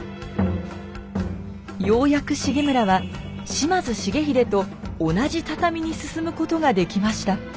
ようやく重村は島津重豪と同じ畳に進むことができました。